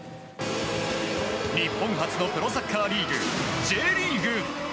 日本初のプロサッカーリーグＪリーグ。